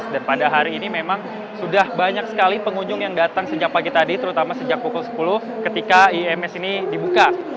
dan pada hari ini memang sudah banyak sekali pengunjung yang datang sejak pagi tadi terutama sejak pukul sepuluh ketika ims ini dibuka